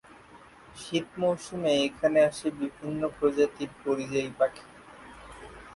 শীত মৌসুমে এখানে আসে বিভিন্ন প্রজাতির পরিযায়ী পাখি।